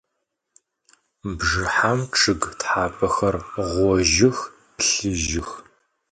Bjjıhem ççıg thapexer ğojıx, plhıjıx.